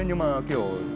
nhưng mà kiểu